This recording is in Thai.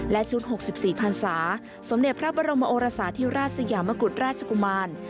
และชุด๖๔พันศาสมเด็จพระบรมโอรสาธิราชสยามกุฎราชกุมาร